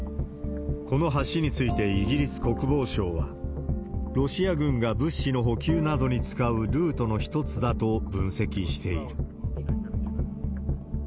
この橋についてイギリス国防省は、ロシア軍が物資の補給などに使うルートの１つだと分析している。